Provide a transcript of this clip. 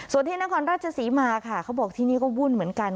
ส่วนที่นครราชศรีมาค่ะเขาบอกที่นี่ก็วุ่นเหมือนกัน